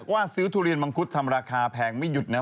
ว่าซื้อทุเรียนมังคุดทำราคาแพงไม่หยุดนะ